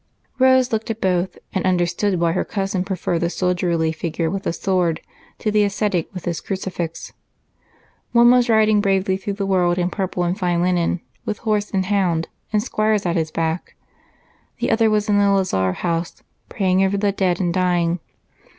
Rose looked at both and understood why her cousin preferred the soldierly figure with the sword to the ascetic with his crucifix. One was riding bravely through the world in purple and fine linen, with horse and hound and squires at his back; and the other was in a lazar house, praying over the dead and dying.